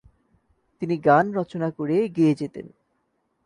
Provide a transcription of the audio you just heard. তিনি গান রচনা করে গেয়ে যেতেন।